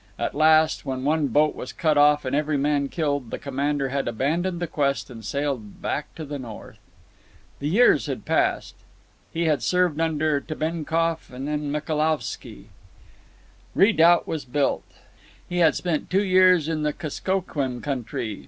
At last, when one boat was cut off and every man killed, the commander had abandoned the quest and sailed back to the north. The years had passed. He had served under Tebenkoff when Michaelovski Redoubt was built. He had spent two years in the Kuskokwim country.